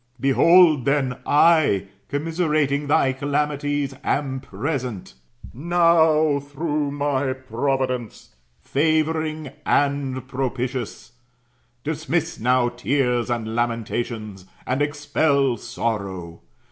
Behold then, I, commiserating thy calamities, am present; I am present, favouring and propitious. Dismiss now tears and lamentations, and expel sorrow.